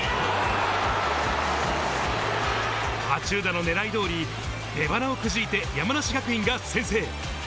羽中田の狙い通り、出鼻をくじいて山梨学院が先制。